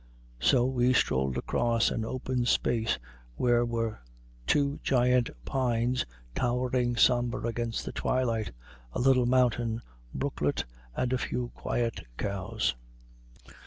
So we strolled across an open space where were two giant pines towering somber against the twilight, a little mountain brooklet, and a few quiet cows.